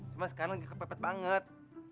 cuma sekarang kepepet banget